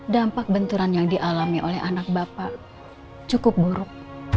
dampak benturan yang dialami oleh anak bapak cukup buruk